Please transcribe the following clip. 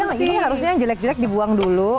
ini harusnya yang jelek jelek dibuang dulu